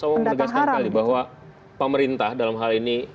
saya mau menegaskan kali bahwa pemerintah dalam hal ini